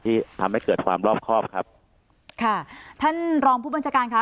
ที่ทำให้เกิดความรอบครอบครับค่ะท่านรองผู้บัญชาการค่ะ